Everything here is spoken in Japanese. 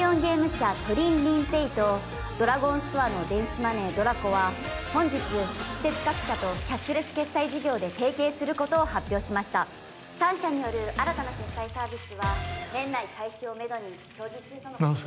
社トリンリンＰａｙとドラゴンストアの電子マネーＤＲＡＣＯは本日私鉄各社とキャッシュレス決済事業で提携することを発表しました３社による新たな決済サービスは年内開始をメドに協議中とのことです